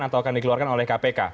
atau akan dikeluarkan oleh kpk